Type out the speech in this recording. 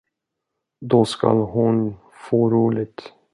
Då skall hon få roligt!